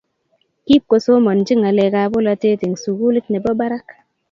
Kipkosomonchi ngalek ab polatet eng sukulit nebo parak